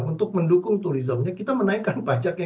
untuk mendukung turismenya kita menaikkan pajaknya